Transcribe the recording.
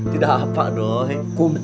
tidak apa doi